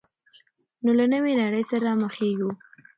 نو له نوې نړۍ سره مخېږو.